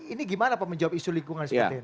ini gimana pak menjawab isu lingkungan seperti ini